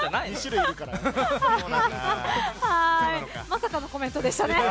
まさかのコメントでしたね。